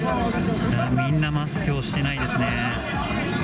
みんなマスクをしてないですね。